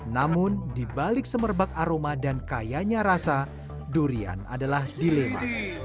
namun dibalik semerbak aroma dan kayanya rasa durian adalah dilema